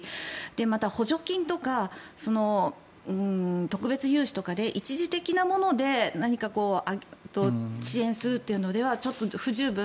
また補助金とか特別融資とかで一時的なもので支援するというのではちょっと不十分。